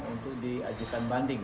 untuk diajukan banding